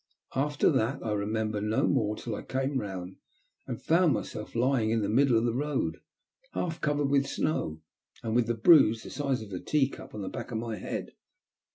After that I remember no more till I came round and found myself lying in the middle of the road, half covered with snow, and with a bruise the size of a tea cup on the back of my head.